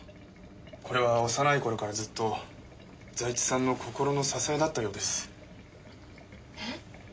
これは幼い頃からずっと財津さんの心の支えだったようです。え？